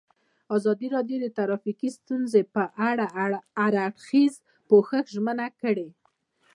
ازادي راډیو د ټرافیکي ستونزې په اړه د هر اړخیز پوښښ ژمنه کړې.